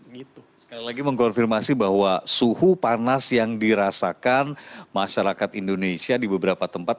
sekali lagi mengkonfirmasi bahwa suhu panas yang dirasakan masyarakat indonesia di beberapa tempat